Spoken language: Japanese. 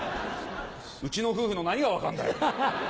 うちの夫婦の何が分かんだよ。